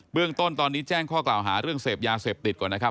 เรื่องต้นตอนนี้แจ้งข้อกล่าวหาเรื่องเสพยาเสพติดก่อนนะครับ